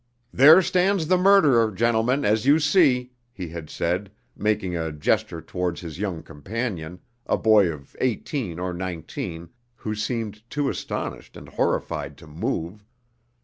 "There stands the murderer, gentlemen, as you see," he had said, making a gesture towards his young companion, a boy of eighteen or nineteen, who seemed too astonished and horrified to move.